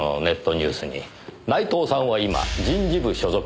ニュースに内藤さんは今人事部所属とありました。